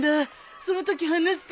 そのとき話すから。